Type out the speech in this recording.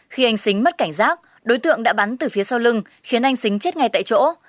khi anh xính mất cảnh giác đối tượng đã bắn từ phía sau lưng khiến anh xính chết ngay tại chỗ